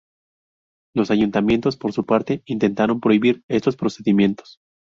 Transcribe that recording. Los ayuntamientos, por su parte, intentaron prohibir estos procedimientos.